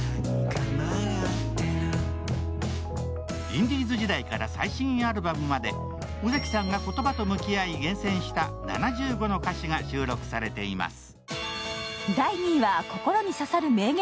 インディーズ時代から最新アルバムまで尾崎さんが言葉と向き合い、厳選した７５の歌詞が収録されています。